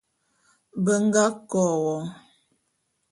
Be nga KO won.